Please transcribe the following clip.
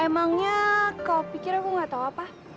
emangnya kau pikir aku gak tau apa